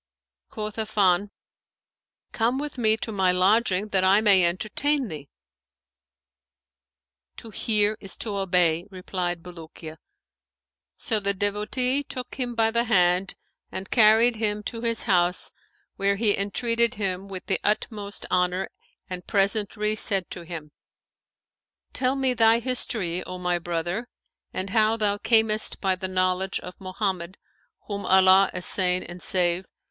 Quoth Affan, 'Come with me to my lodging that I may entertain thee.' 'To hear is to obey,' replied Bulukiya So the devotee took him by the hand and carried him to his house where he entreated him with the utmost honour and presentry said to him, 'Tell me thy history, O my brother, and how thou camest by the knowledge of Mohammed (whom Allah assain and save!)